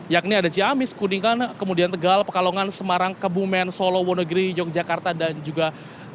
yakni ada ciamis kuningan kemudian tegal pekalongan semarang kebumen solo wonogiri yogyakarta dan juga